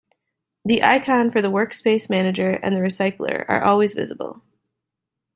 The icon for the Workspace Manager and the Recycler are always visible.